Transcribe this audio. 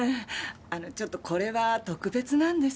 あのちょっとこれは特別なんです。